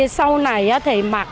sau này thì mặc